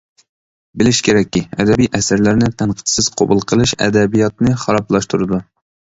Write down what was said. بىلىش كېرەككى، ئەدەبىي ئەسەرلەرنى تەنقىدسىز قوبۇل قىلىش ئەدەبىياتنى خارابلاشتۇرىدۇ.